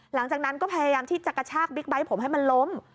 หลังจากนั้นก็พยายามที่จะกระชากบิ๊กไบท์ผมให้มันล้ม